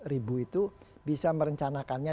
ribu itu bisa merencanakannya